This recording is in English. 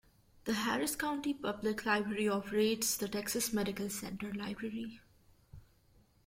The Harris County Public Library operates the Texas Medical Center Library.